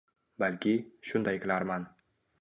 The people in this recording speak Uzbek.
Balki, shunday qilarman.